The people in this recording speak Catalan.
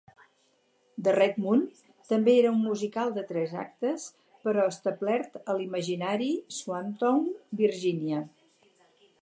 "The Red Moon" també era un musical de tres actes, però establert a l'imaginari "Swamptown, Virginia".